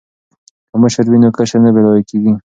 که مشر وي نو کشر نه بې لارې کیږي.